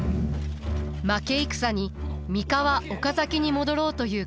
負け戦に三河岡崎に戻ろうという家臣たち。